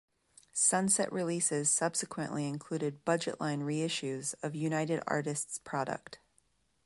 Sunset releases subsequently included budget-line reissues of United Artists product.